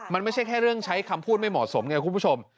มันไม่ใช่แค่เรื่องใช้คำพูดไม่เหมาะสมไงคุณผู้ชม